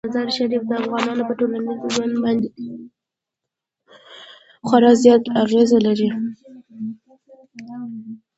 مزارشریف د افغانانو په ټولنیز ژوند باندې خورا زیات اغېز لري.